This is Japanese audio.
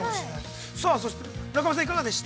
さあそして村上さんいかがでした。